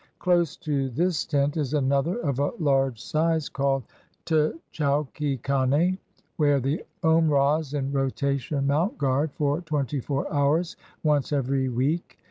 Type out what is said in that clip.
Close to this tent is another of a large size, called tchauky kane, where the Omrahs in rotation mount guard for twenty four hours, once every week.